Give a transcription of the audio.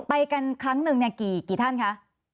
ไปกันครั้งหนึ่งเนี่ยกี่ท่านคะ